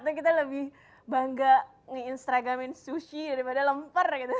atau kita lebih bangga nge instagram in sushi daripada lemper gitu